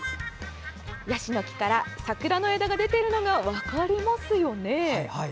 ヤシの木から桜の枝が出てるのが分かりますよね？